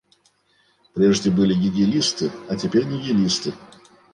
Прежде были гегелисты, а теперь нигилисты.